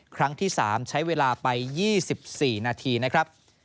ครั้งที่๓ใช้เวลาไป๒๔นาทีนะครับ